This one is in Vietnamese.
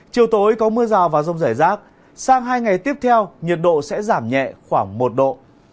chiều tối có mưa rào và rông rải rác sang hai ngày tiếp theo nhiệt độ sẽ giảm nhẹ khoảng một độ